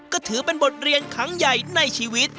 ก็ถือเป็นบทเรียนครั้งใหญ่ในชีวิต